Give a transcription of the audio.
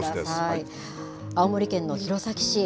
青森県の弘前市。